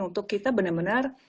untuk kita benar benar